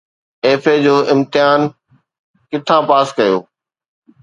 FA جو امتحان ڪٿان پاس ڪيو؟